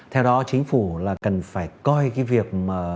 theo đó chính phủ cần phải coi việc